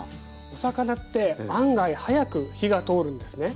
お魚って案外早く火が通るんですね。